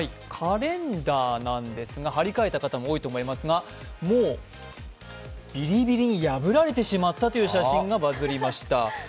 カレンダーなんですが、貼り替えた方も多いと思いますが、もうビリビリに破られてしまったという写真がバズりました。